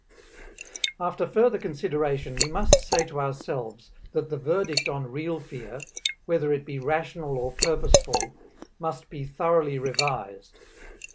After further consideration, we must say to ourselves that the verdict on real fear, whether it be rational or purposeful, must be thoroughly revised.